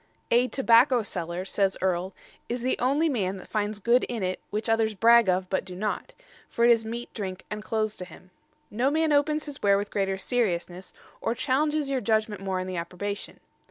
"A Tobacco Seller," says Earle, "is the onely man that findes good in it which others brag of, but do not; for it is meate, drinke, and clothes to him. No man opens his ware with greater seriousnesse, or challenges your judgement more in the approbation.